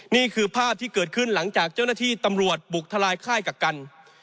นี่คือภาพที่เกิดขึ้นหลังจากเจ้าหน้าที่ตำรวจบุกทลายค่ายกักกัน